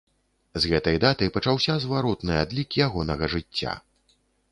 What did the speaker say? З гэтай даты пачаўся зваротны адлік ягонага жыцця.